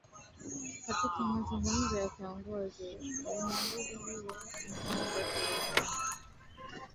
katika mazungumzo na kiongozi huyo mkongwe wa Uganda na